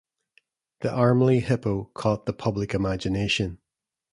The Armley Hippo caught the public imagination.